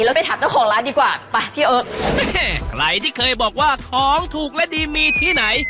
แล้วไปถามเจ้าของร้านดีกว่าไปพี่เออแม่ใครที่เคยบอกว่าของถูกและดีมีที่ไหน